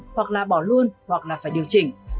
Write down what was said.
hoặc là bỏ luôn hoặc là phải điều chỉnh